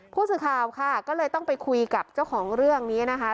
ผู้สื่อข่าวค่ะก็เลยต้องไปคุยกับเจ้าของเรื่องนี้นะคะ